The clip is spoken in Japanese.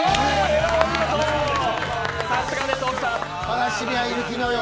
さすがです